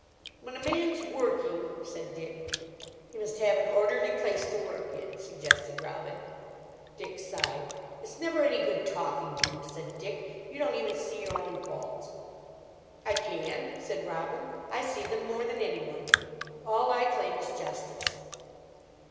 "When a man's working—" said Dick. "He must have an orderly place to work in," suggested Robin. Dick sighed. "It's never any good talking to you," said Dick. "You don't even see your own faults." "I can," said Robin; "I see them more than anyone. All I claim is justice."